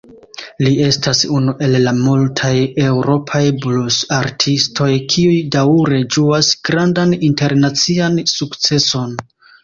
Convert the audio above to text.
Li estas unu el la malmultaj eŭropaj blus-artistoj kiuj daŭre ĝuas grandan internacian sukceson.